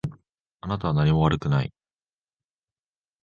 あなたは何も悪くない。